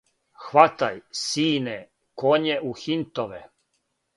Хватај, сине, коње у хинтове,